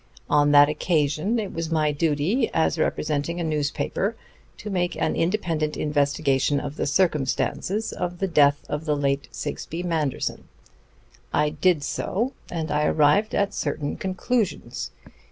On that occasion it was my duty, as representing a newspaper, to make an independent investigation of the circumstances of the death of the late Sigsbee Manderson. I did so, and I arrived at certain conclusions.